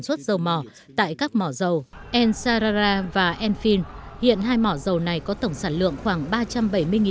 xuất dầu mỏ tại các mỏ dầu ensarara và enfil hiện hai mỏ dầu này có tổng sản lượng khoảng ba trăm bảy mươi